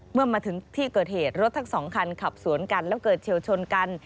เมื่อมาถึงที่เกิดเหตุรถทั้งสองคันขับสวนกันแล้วเกิดเฉียวชนกัน